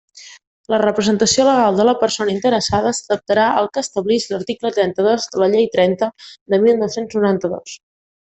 La representació legal de la persona interessada s'adaptarà al que establix l'article trenta-dos de la Llei trenta de mil nou-cents noranta-dos.